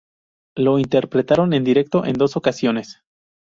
Lo interpretaron en directo, en dos ocasiones.